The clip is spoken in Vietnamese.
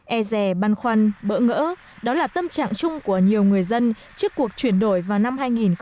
e rè băn khoăn bỡ ngỡ đó là tâm trạng chung của nhiều người dân trước cuộc chuyển đổi vào năm hai nghìn một mươi